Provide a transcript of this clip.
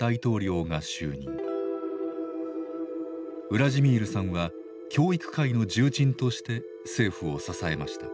ウラジミールさんは教育界の重鎮として政府を支えました。